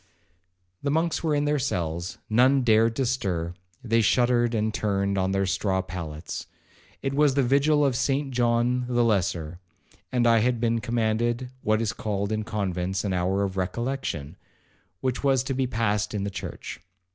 The monks were in their cells, none dared to stir,—they shuddered, and turned on their straw pallets. It was the vigil of Saint John the Lesser, and I had been commanded what is called in convents an hour of recollection, which was to be passed in the church.